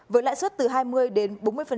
với lãi suất từ hai mươi đến bốn mươi